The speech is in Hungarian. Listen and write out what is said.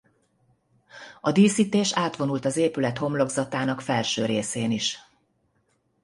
A díszítés átvonult az épület homlokzatának felső részén is.